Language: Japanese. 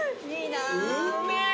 うめえ！